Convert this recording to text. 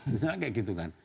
misalnya kayak gitu kan